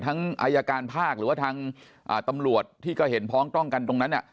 อายการภาคหรือว่าทางตำรวจที่ก็เห็นพ้องต้องกันตรงนั้น